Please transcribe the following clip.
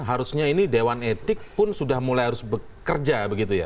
harusnya ini dewan etik pun sudah mulai harus bekerja begitu ya